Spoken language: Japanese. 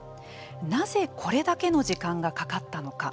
なぜ、これだけの時間がかかったのか。